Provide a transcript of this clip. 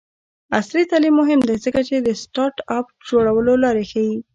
عصري تعلیم مهم دی ځکه چې د سټارټ اپ جوړولو لارې ښيي.